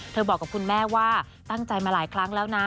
บอกกับคุณแม่ว่าตั้งใจมาหลายครั้งแล้วนะ